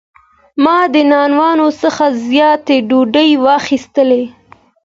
ما د نانوان څخه تازه ډوډۍ واخیسته.